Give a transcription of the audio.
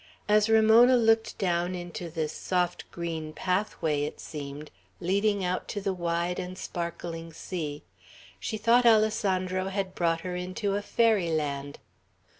As Ramona looked down into this soft green pathway, it seemed, leading out to the wide and sparkling sea, she thought Alessandro had brought her into a fairy land.